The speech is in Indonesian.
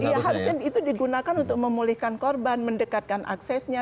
ya harusnya itu digunakan untuk memulihkan korban mendekatkan aksesnya